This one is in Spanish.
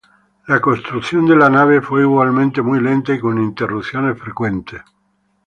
La construcción de la nave fue igualmente muy lenta y con interrupciones frecuentes.